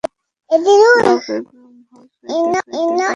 লোভ এবং ভয় দুই দিক হইতে দুই হাত ধরিয়া টানিতে লাগিল।